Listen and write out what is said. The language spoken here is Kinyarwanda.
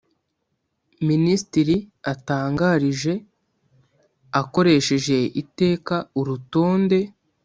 Minisitiri atangarije akoresheje Iteka urutonde